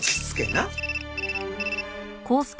な？